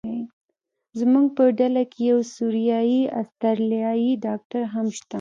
زموږ په ډله کې یو سوریایي استرالیایي ډاکټر هم شته.